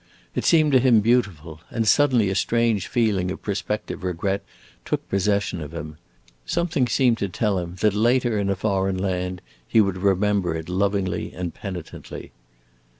It seemed to him beautiful, and suddenly a strange feeling of prospective regret took possession of him. Something seemed to tell him that later, in a foreign land, he would remember it lovingly and penitently.